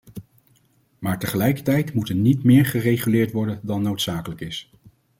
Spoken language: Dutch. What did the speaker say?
Maar tegelijkertijd moet er niet meer gereguleerd worden dan noodzakelijk is.